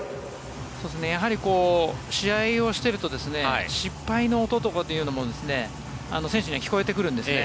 やはり試合をしていると失敗の音とかも選手には聞こえてくるんですね。